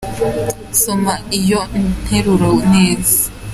Soma iyo nteruro neza.